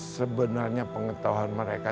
sebenarnya pengetahuan mereka